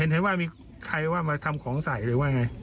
เห็นว่ามีใครว่ามาทำของใส่หรือว่าไง